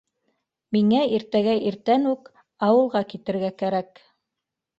Миңә иртәгә иртән үк ауылға китергә кәрәк.